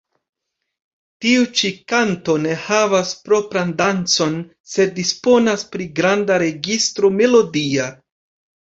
Tiu ĉi kanto ne havas propran dancon, sed disponas pri granda registro melodia.